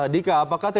dika apakah teddy